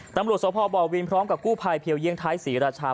ตำรวจสพบวินพร้อมกับกู้ภัยเพียวเยี่ยงท้ายศรีราชา